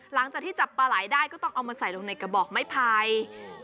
หลังจากที่จับปลาไหลได้ก็ต้องเอามาใส่ลงในกระบอกไม้ไผ่